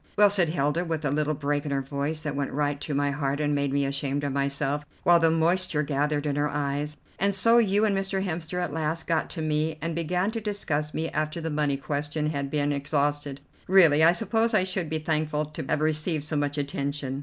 '" "Well," said Hilda, with a little break in her voice that went right to my heart and made me ashamed of myself, while the moisture gathered in her eyes, "and so you and Mr. Hemster at last got to me, and began to discuss me after the money question had been exhausted. Really, I suppose I should be thankful to have received so much attention.